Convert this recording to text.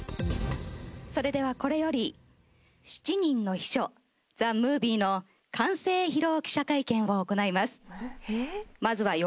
それではこれより『七人の秘書ＴＨＥＭＯＶＩＥ』の完成披露記者会見を行います。